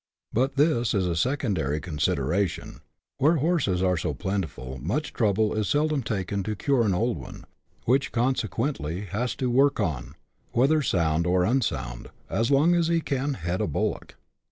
But this is a secondary consideration ; where horses are so plentiful much trouble is seldom taken to cure an old one, which consequently has to work on, whether sound or unsound, as long as he can " head a bullock."